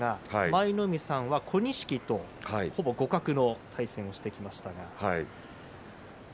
舞の海さんは小錦と互角の対戦をしましたね。